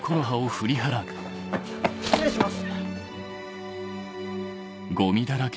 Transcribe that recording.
失礼します！